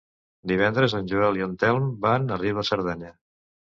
Divendres en Joel i en Telm van a Riu de Cerdanya.